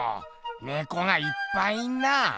猫がいっぱいいんなぁ。